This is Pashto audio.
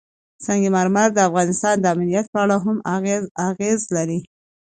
سنگ مرمر د افغانستان د امنیت په اړه هم اغېز لري.